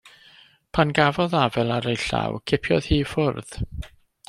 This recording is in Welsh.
Pan gafodd afael ar ei llaw, cipiodd hi i ffwrdd.